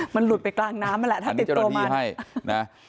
มันหลุดไปกลางน้ำนั่นแหละถ้าติดตัวมันใช่นะ